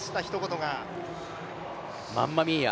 マンマ・ミーア。